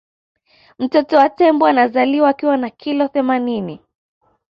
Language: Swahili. mtoto wa tembo anazaliwa akiwa na kilo themanini